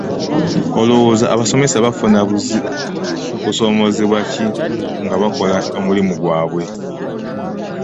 Olowooza abasomesa bafuna kusomozebwa ki nga bakola omulimu gwabe?